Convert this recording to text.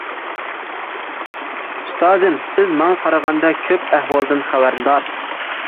ئۇستازىم، سىز ماڭا قارىغاندا كۆپ ئەھۋالدىن خەۋەردار.